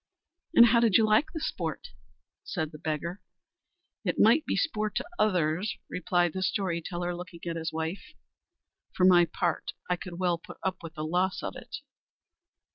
"And how did you like the sport?" said the beggar. "It might be sport to others," replied the story teller, looking at his wife, "for my part I could well put up with the loss of it."